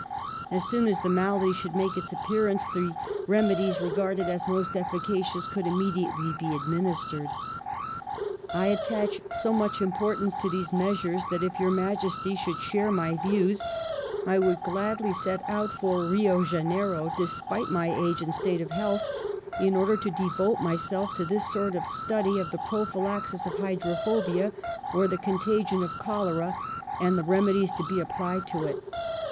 As soon as the malady should make its appearance the remedies regarded as most efficacious could im mediately be administered. ^^I attach so much importance to these meas ures that, if Your Majesty should share my views, I would gladly set out for Rio Janeiro, despite my age and state of health, in order to devote myself to this sort of study of the prophylaxis of hydrophobia, or the contagion of cholera, and the remedies to be applied to it."